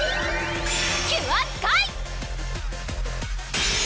キュアスカイ！